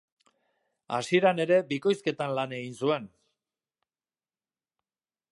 Hasieran ere bikoizketan lan egin zuen.